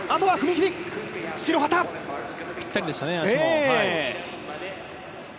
ぴったりでしたね、足も。